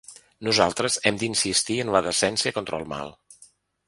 Nosaltres hem d’insistir en la decència contra el mal.